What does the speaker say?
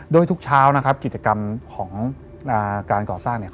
โดยทุกเช้านะครับกิจกรรมของการก่อสร้างเนี่ย